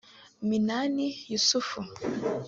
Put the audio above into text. Minani Yussuf